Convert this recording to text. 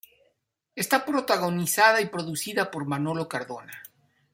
Está protagonizada y producida por Manolo Cardona.